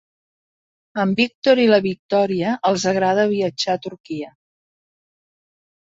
A en Víctor i la Victòria els agrada viatjar a Turquia.